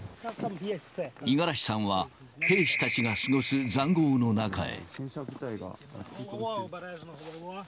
五十嵐さんは兵士たちが過ごすざんごうの中へ。